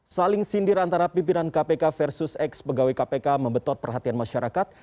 saling sindir antara pimpinan kpk versus ex pegawai kpk membetot perhatian masyarakat